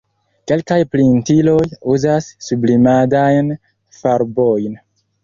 Kelkaj printiloj uzas sublimadajn farbojn.